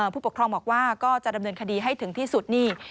ผู้ปกครองบอกว่าก็จะดำเนินคดีให้ถึงที่สุดนี่